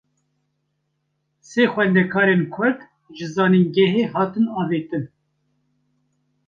Sê xwendekarên Kurd, ji zanîngehê hatin avêtin